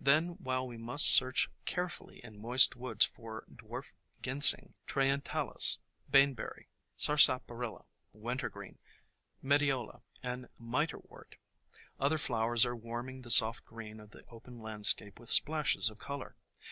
Then while we must search carefully in moist woods for Dwarf Ginseng, Trientalis, Baneberry, Sarsaparilla, Wintergreen, Me deola and Mitrewort, other flowers are warming the soft green of the open landscape with splashes of color.